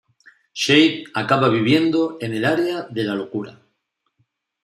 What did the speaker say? Shade acaba viviendo en el Área de la Locura.